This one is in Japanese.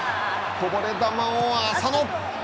こぼれ球を浅野。